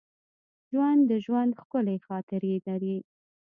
ژوندي د ژوند ښکلي خاطرې لري